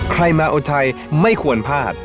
ใครมาอุทัยไม่ควรพลาด